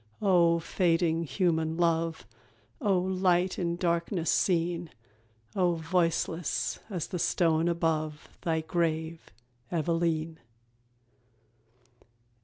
Oh, fading human love! Oh, light in darkness seen! Oh, voiceless as the stone above Thy grave, Eveleen!